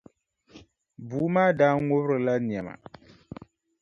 Bua maa daa ŋubirila nɛma.